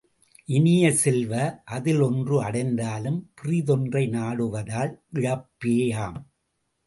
இனிய செல்வ, அதில் ஒன்று அடைந்தாலும் பிறிதொன்றை நாடுவதால் இழப்பேயாம்.